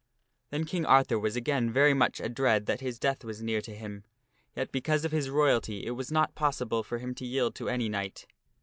Then King Arthur was again very much a dread that his death was near to him ; yet, because of his royalty, it was not possible for him to yield to any knight.